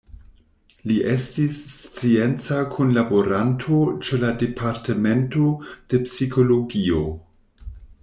Li estis scienca kunlaboranto ĉe la Departemento de Psikologio.